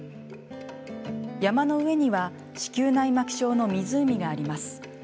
山の上には子宮内膜症の湖があります。